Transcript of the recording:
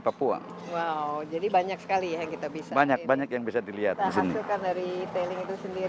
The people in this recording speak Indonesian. papua wow jadi banyak sekali yang kita bisa banyak banyak yang bisa dilihat di sini sendiri